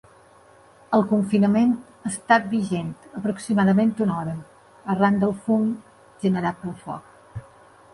El confinament ha estat vigent aproximadament una hora, arran del fum generat pel foc.